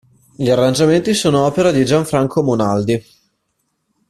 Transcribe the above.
Gli arrangiamenti sono opera di Gianfranco Monaldi.